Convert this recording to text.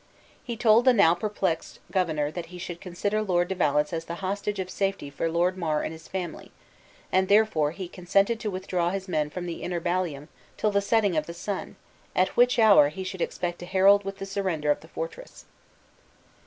He told the now perplexed governor that he should consider Lord de Valence as the hostage of safety for Lord Mar and his family, and therefore he consented to withdraw his men from the inner ballium till the setting of the sun, at which hour he should expect a herald with the surrender of the fortress.